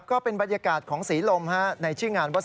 ก็เป็นบรรยากาศของศรีลมในชื่องานว่า